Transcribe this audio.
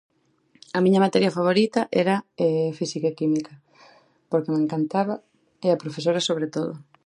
A miña materia favorita era física e química porque me encantaba e a profesora sobre todo.